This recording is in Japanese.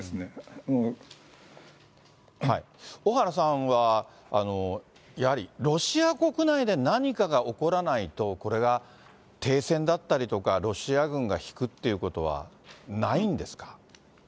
小原さんは、やはりロシア国内で何かが起こらないと、これは停戦だったりとか、ロシア軍が引くっていうことはないんですか。